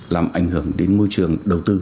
làm ảnh hưởng đến môi trường đầu tư